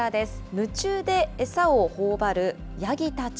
夢中で餌をほおばるヤギたち。